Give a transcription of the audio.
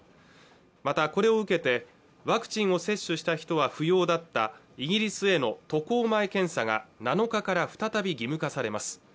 またこれを受けてワクチンを接種した人は不要だったイギリスへの渡航前検査が７日から再び義務化されます